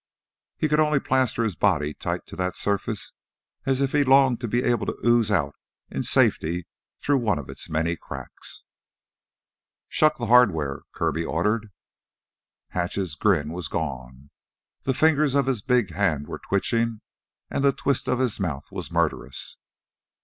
He could only plaster his body tight to that surface as if he longed to be able to ooze out into safety through one of its many cracks. "Shuck th' hardware!" Kirby ordered. Hatch's grin was gone. The fingers of his big hands were twitching, and the twist of his mouth was murderous.